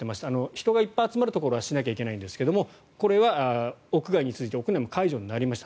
人がいっぱい集まるところではしないといけないんですがこれは屋内について屋内も解除になりました。